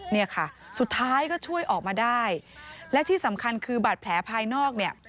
เนี่ยค่ะสุดท้ายก็ช่วยออกมาได้และที่สำคัญคือบาดแผลภายนอกเนี่ย